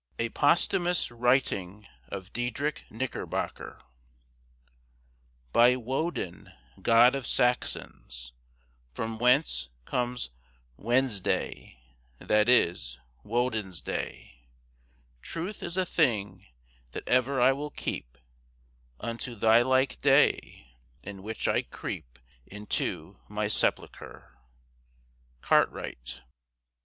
A POSTHUMOUS WRITING OF DIEDRICH KNICKERBOCKER. By Woden, God of Saxons, From whence comes Wensday, that is Wodensday, Truth is a thing that ever I will keep Unto thylke day in which I creep into My sepulchre CARTWRIGHT.